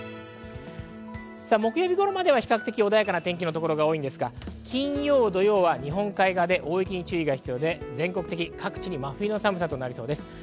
木曜日頃まで比較的、穏やかな天気のところが多いですが、金曜と土曜は日本海側で大雪に注意が必要で、全国的に真冬の寒さとなりそうです。